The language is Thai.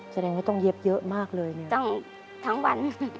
จริงไม่ต้องเย็บเยอะมากเลยน้าต้องทั้งวัน